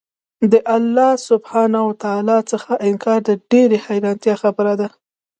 له الله سبحانه وتعالی څخه انكار د ډېري حيرانتيا خبره ده